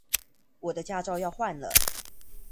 我的駕照要換了